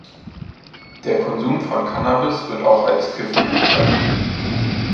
Der Konsum von Cannabis wird auch als "kiffen" bezeichnet.